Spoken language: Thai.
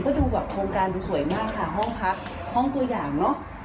ก็ดูแบบโครงการดูสวยมากค่ะห้องพักห้องตัวอย่างเนอะ